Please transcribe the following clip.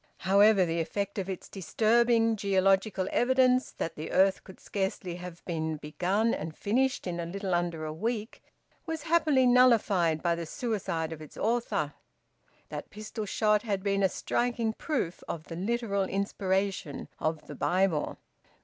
However, the effect of its disturbing geological evidence that the earth could scarcely have been begun and finished in a little under a week, was happily nullified by the suicide of its author; that pistol shot had been a striking proof of the literal inspiration of the Bible.